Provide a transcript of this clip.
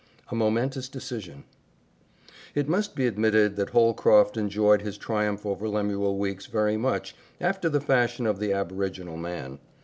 A Momentous Decision It must be admitted that Holcroft enjoyed his triumph over Lemuel Weeks very much after the fashion of the aboriginal man.